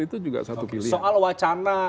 itu juga satu pilihan soal wacana